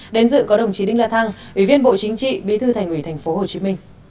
đến dự có đồng chí đinh la thăng ủy viên bộ chính trị bí thư thành ủy tp hcm